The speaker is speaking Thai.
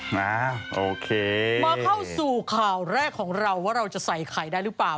มาโอเคมาเข้าสู่ข่าวแรกของเราว่าเราจะใส่ไข่ได้หรือเปล่า